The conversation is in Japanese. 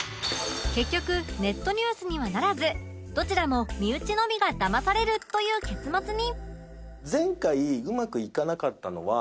結局ネットニュースにはならずどちらも身内のみがだまされるという結末に